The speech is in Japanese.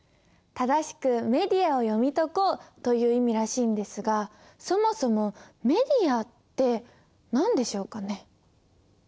「正しくメディアを読み解こう」という意味らしいんですがそもそもメディアって何でしょうかね？